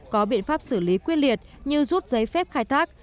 có biện pháp xử lý quyết liệt như rút giấy phép khai thác